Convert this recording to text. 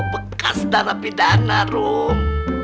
bekas dana pidana rom